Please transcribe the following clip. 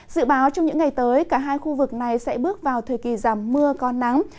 dự báo trong những ngày tới cả hai khu vực này sẽ bước vào thời kỳ giảm mưa có nắng